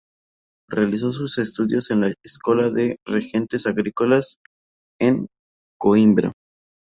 Realizó sus estudios en la "Escola de Regentes Agrícolas" en Coímbra.